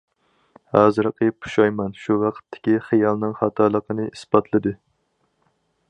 ھازىرقى پۇشايمان شۇ ۋاقىتتىكى خىيالنىڭ خاتالىقىنى ئىسپاتلىدى.